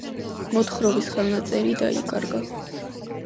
მოთხრობის ხელნაწერი დაიკარგა.